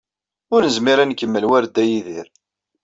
Ur nezmir ad nkemmel war Dda Yidir.